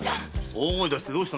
大声だしてどうした？